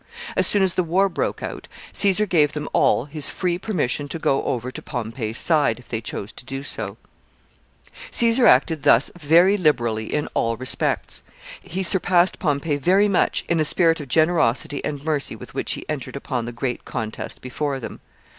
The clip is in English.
As soon as the war broke out, Caesar gave them all his free permission to go over to Pompey's side, if they chose to do so. [Sidenote: Modern politicians.] Caesar acted thus very liberally in all respects. He surpassed Pompey very much in the spirit of generosity and mercy with which he entered upon the great contest before them.